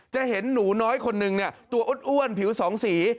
จะเห็นหนูน้อยคนหนึ่งตัวอ้วนผิวสองสี